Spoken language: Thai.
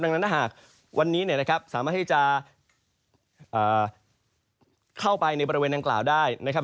ดังนั้นถ้าหากวันนี้เนี่ยนะครับสามารถที่จะเข้าไปในบริเวณดังกล่าวได้นะครับ